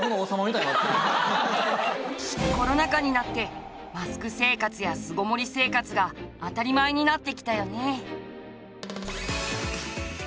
コロナ禍になってマスク生活や巣ごもり生活が当たり前になってきたよね。